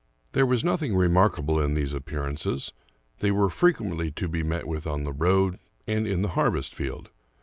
There was nothing remarkable in these appearances : they were frequently to be met with on the road and in the harvest field.